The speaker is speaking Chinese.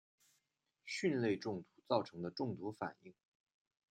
蕈类中毒造成的中毒反应。